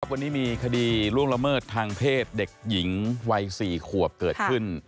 วันนี้มีคดีล่วงละเมิดทางเพศเด็กหญิงวัย๔ขวบเกิดขึ้น